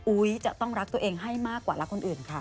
จะต้องรักตัวเองให้มากกว่ารักคนอื่นค่ะ